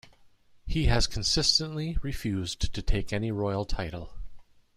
He has consistently refused to take any royal title.